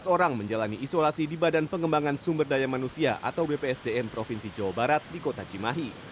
tujuh belas orang menjalani isolasi di badan pengembangan sumber daya manusia atau bpsdn provinsi jawa barat di kota cimahi